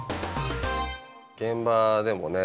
現場でもね